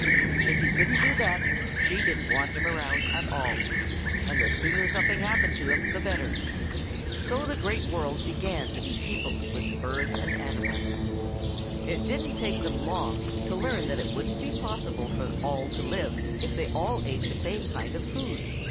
If he couldn't do that, she didn't want him around at all, and the sooner something happened to him the better. So the Great World began to be peopled with birds and animals. "It didn't take them long to learn that it wouldn't be possible for all to live if they all ate the same kind of food.